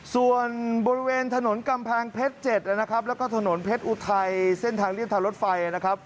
ส่วนบริเวณถนนกำแพงเพชร๗และถนนเพชรอุทัยเส้นทางเลี้ยงทางรถไฟ